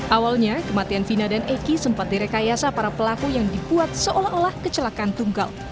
awalnya kematian vina dan eki sempat direkayasa para pelaku yang dibuat seolah olah kecelakaan tunggal